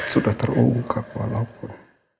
sudah terungkap walaupun